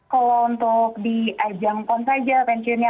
kalau untuk di ajang pon saja pensiunnya